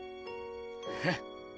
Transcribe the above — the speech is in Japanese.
フッ。